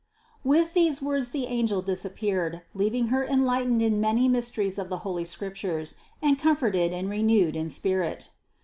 With these words the angel disappeared, leaving her enlightened in many mys teries of holy Scriptures, and comforted and renewed in spirit.